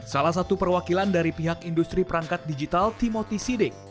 salah satu perwakilan dari pihak industri perangkat digital timoti sidek